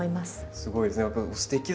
すごいですね。